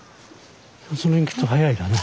その辺きっと早いだな。